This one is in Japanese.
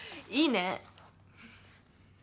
いいね。